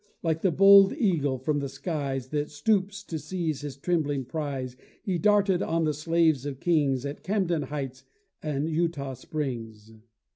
Like the bold eagle, from the skies That stoops, to seize his trembling prize, He darted on the slaves of kings At Camden heights and Eutaw Springs.